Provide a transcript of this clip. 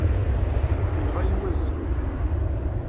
Inɣa-yi wazi.